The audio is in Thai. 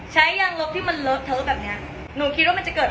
ใช้ยางลบที่เกิดอะไรมากเกิดเสียง